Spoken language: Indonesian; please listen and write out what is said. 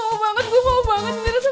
gue mau banget dineret sama gibran